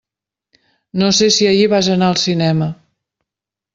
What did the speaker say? No sé si ahir vas anar al cinema.